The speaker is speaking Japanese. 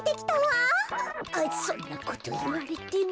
あそんなこといわれても。